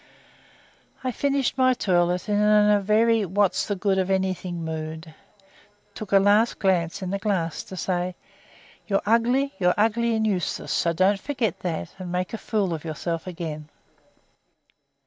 I finished my toilet, and in a very what's the good o' anything mood took a last glance in the glass to say, "You're ugly, you're ugly and useless; so don't forget that and make a fool of yourself again."